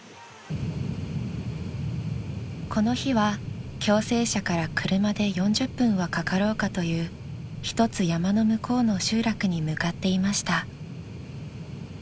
［この日は共生舎から車で４０分はかかろうかという一つ山の向こうの集落に向かっていました］